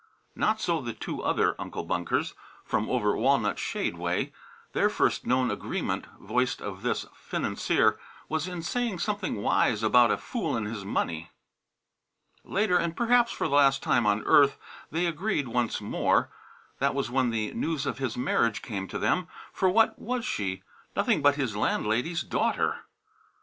Not so the two other Uncle Bunkers from over Walnut Shade way. Their first known agreement, voiced of this financier, was in saying something wise about a fool and his money. Later, and perhaps for the last time on earth, they agreed once more. That was when the news of his marriage came to them for what was she? Nothing but his landlady's daughter!